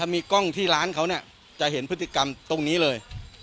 มีกล้องที่ร้านเขาจะเห็นพฤติกรรมตรงนี้เลย